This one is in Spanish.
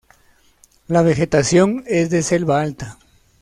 La vegetación es de selva alta.